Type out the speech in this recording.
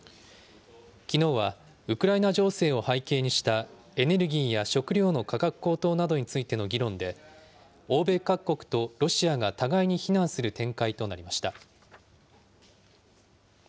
きのうは、ウクライナ情勢を背景にした、エネルギーや食料の価格高騰などについての議論で、欧米各国とロシアが互いに非難する展開となりました。